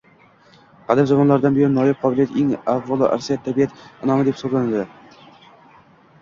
"Qadim zamonlardan buyon noyob qobiliyat, eng avvalo, irsiy, tabiat inʼomi deb hisoblanadi.